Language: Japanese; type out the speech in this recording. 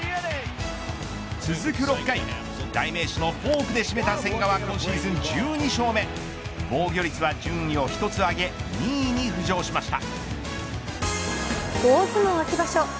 続く６回、代名詞のフォークで締めた千賀は今シーズン１２勝目防御率は上位を１つ上げ２位に浮上しました。